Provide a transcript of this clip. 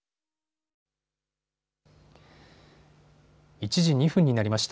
１時２分になりました。